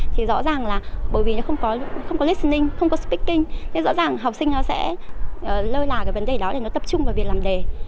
thì rõ ràng là bởi vì không có listening không có speaking nên rõ ràng học sinh sẽ lơi là vấn đề đó để tập trung vào việc làm đề